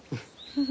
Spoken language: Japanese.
フフ。